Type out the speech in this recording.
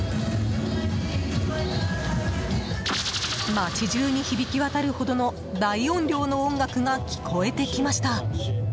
街中に響き渡るほどの大音量の音楽が聴こえてきました。